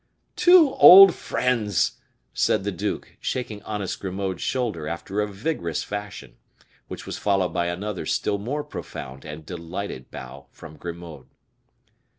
"Two old friends!" said the duke, shaking honest Grimaud's shoulder after a vigorous fashion; which was followed by another still more profound and delighted bow from Grimaud.